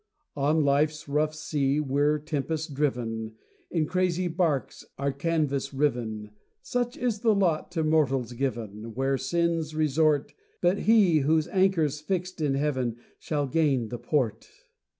On life's rough sea we're tempest driven In crazy barks, our canvas riven! Such is the lot to mortals given Where sins resort: But he whose anchor's fixed in heaven Shall gain the port.